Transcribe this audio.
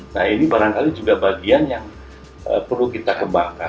nah ini barangkali juga bagian yang perlu kita kembangkan